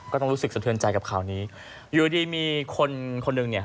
ก็ต้องรู้สึกสะเทือนใจกับข่าวนี้อยู่ดีมีคนคนหนึ่งเนี่ย